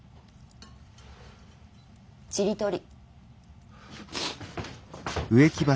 ちりとり。